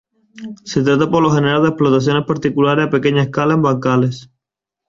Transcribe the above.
Se trata por lo general de explotaciones particulares a pequeña escala en bancales.